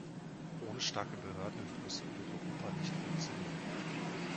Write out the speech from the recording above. Ohne starke Behörden in Brüssel wird Europa nicht funktionieren.